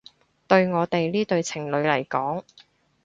對我哋呢對情侶嚟講